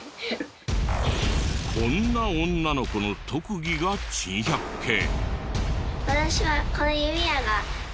こんな女の子の特技が珍百景。